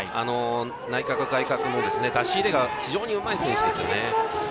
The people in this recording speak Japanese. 内角外角の出し入れが非常にうまい選手です。